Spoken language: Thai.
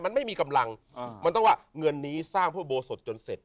มันไม่มีกำลังมันต้องว่าเงินนี้สร้างพระอุโบสถจนเสร็จ